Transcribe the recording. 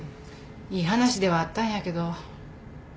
いい話ではあったんやけど。